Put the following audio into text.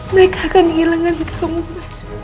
mereka akan kehilangan kamu